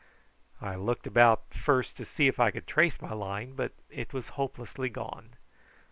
I looked about first to see if I could trace my line, but it was hopelessly gone.